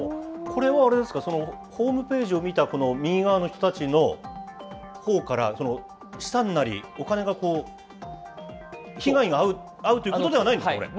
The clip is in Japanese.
これはあれですか、ホームページを見たこの右側の人たちのほうから、資産なり、お金がこう、被害に遭うということではないんですか。